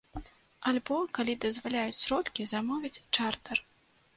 Альбо, калі дазваляюць сродкі, замовіць чартэр.